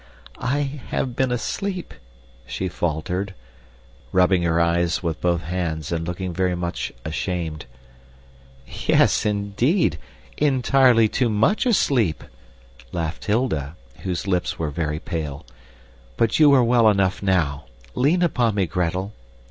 "I have been asleep," she faltered, rubbing her eyes with both hands and looking very much ashamed. "Yes, indeed, entirely too much asleep" laughed Hilda, whose lips were very pale "but you are well enough now. Lean upon me, Gretel.